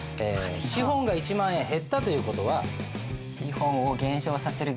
資本が１万円減ったという事は？